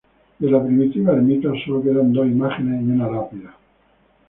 De la primitiva ermita solo quedan dos imágenes y una lápida.